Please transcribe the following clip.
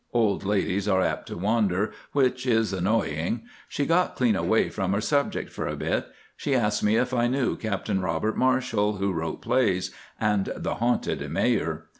Old ladies are apt to wander, which is annoying. She got clean away from her subject for a bit. She asked me if I knew Captain Robert Marshall, who wrote plays and "The Haunted Mayor."